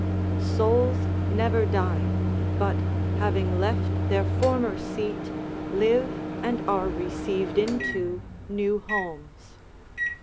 ["Souls never die, but, having left their former seat, live and are received into new homes."